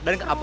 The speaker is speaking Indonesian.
dan ke apa